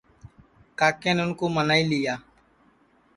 کاکین اُن کُو منائی لی